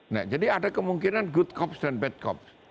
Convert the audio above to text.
nah jadi ada kemungkinan good cops dan bad cops